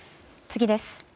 次です。